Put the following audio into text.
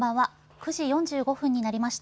９時４５分になりました。